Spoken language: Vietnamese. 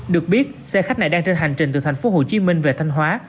được biết xe khách này đang trên hành trình từ thành phố hồ chí minh về thanh hóa